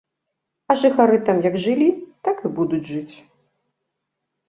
А жыхары там як жылі, так і будуць жыць.